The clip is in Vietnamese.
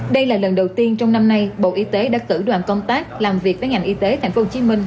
đây là lần đầu tiên trong năm nay bộ y tế đã cử đoàn công tác làm việc với ngành y tế tp hcm